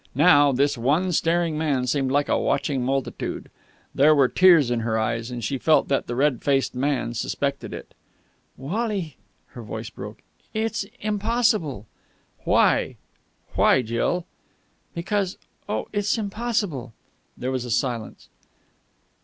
Now, this one staring man seemed like a watching multitude. There were tears in her eyes, and she felt that the red faced man suspected it. "Wally...." Her voice broke. "It's impossible." "Why? Why, Jill?" "Because.... Oh, it's impossible!" There was a silence.